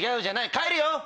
帰るよ！